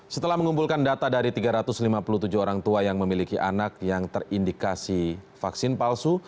setelah mengumpulkan data dari tiga ratus lima puluh tujuh orang tua yang memiliki anak yang terindikasi vaksin palsu